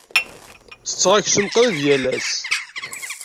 Ttetteɣ aksum qrib yal ass.